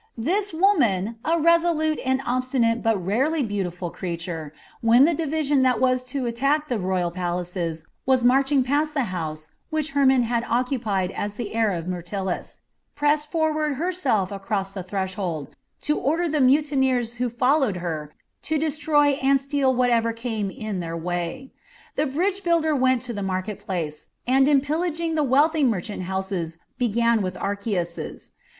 This woman, a resolute and obstinate but rarely beautiful creature, when the division that was to attack the royal palaces was marching past the house which Hermon had occupied as the heir of Myrtilus, pressed forward herself across the threshold, to order the mutineers who followed her to destroy and steal whatever came in their way. The bridge builder went to the market place, and in pillaging the wealthy merchants' houses began with Archias's.